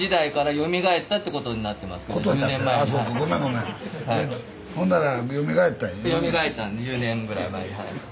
よみがえったんです１０年ぐらい前に。